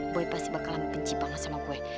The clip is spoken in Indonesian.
gue pasti bakalan benci banget sama gue